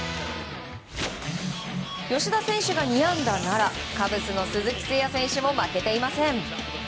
吉田選手が２安打なら、カブスの鈴木誠也選手も負けていません。